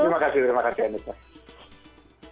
terima kasih terima kasih anies mas